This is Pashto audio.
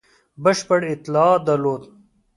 بشپړه اطلاع درلوده.